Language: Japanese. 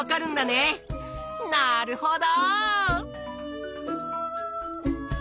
なるほど！